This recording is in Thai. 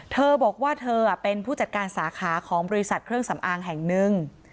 เธอบอกว่าเธอเป็นผู้จัดการสาขาของบริษัทเครื่องสำอางแห่งหนึ่ง